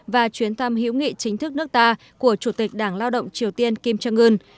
và chuyến thăm hữu nghị chính thức nước ta của chủ tịch đảng lao động triều tiên kim jong un